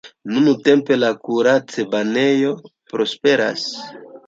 Nuntempe la kuracbanejo prosperas.